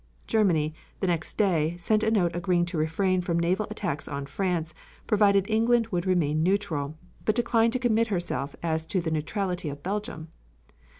Germany, the next day, sent a note agreeing to refrain from naval attacks on France provided England would remain neutral, but declined to commit herself as to the neutrality of Belgium.